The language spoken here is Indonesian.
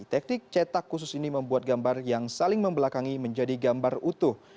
teknik cetak khusus ini membuat gambar yang saling membelakangi menjadi gambar utuh